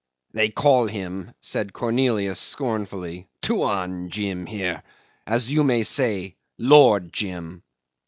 "They call him," said Cornelius scornfully, "Tuan Jim here. As you may say Lord Jim."